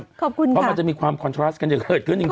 ขึ้นมาบ่อยพี่อ้วนเพราะมันจะมีความคอนทรัสกันอย่างเกิดขึ้นจริง